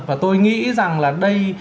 và tôi nghĩ rằng là đây